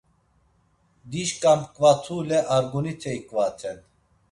Dişka mǩvatule argunite iǩvaten.